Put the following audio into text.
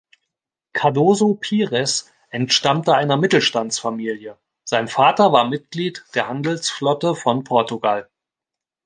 Cardoso Pires entstammte einer Mittelstandsfamilie, sein Vater war Mitglied der Handelsflotte von Portugal.